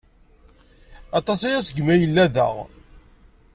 Aṭas aya seg mi ay yella da.